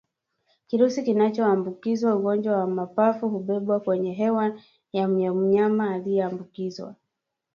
Kirusi kinachoambukiza ugonjwa wa mapafu hubebwa kwenye hewa ya mnyama aliyeambukizwa